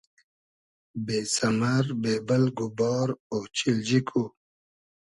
بې سئمئر بې بئلگ و بار اۉچیلجی کو